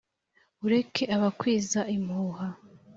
ureke abakwiza impuha